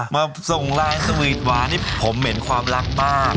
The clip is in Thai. มาส่งไลน์สวีทหวานนี่ผมเหม็นความรักมาก